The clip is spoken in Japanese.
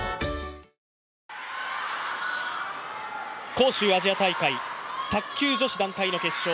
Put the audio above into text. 杭州アジア大会、卓球女子団体の決勝